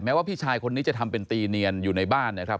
ว่าพี่ชายคนนี้จะทำเป็นตีเนียนอยู่ในบ้านนะครับ